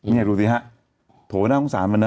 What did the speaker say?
นี่ดูสิฮะโถน่าสงสารมันนะ